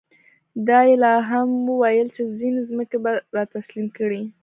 دا یې لا هم ویل چې ځینې ځمکې به را تسلیم کړي.